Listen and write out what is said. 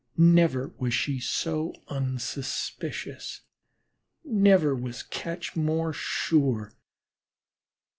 Never was she so unsuspicious. Never was catch more sure.